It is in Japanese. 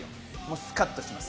スカッとします。